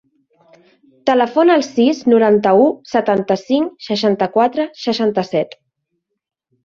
Telefona al sis, noranta-u, setanta-cinc, seixanta-quatre, seixanta-set.